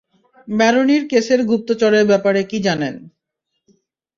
ম্যারোনির কেসের গুপ্তচরের ব্যাপারে কী জানেন?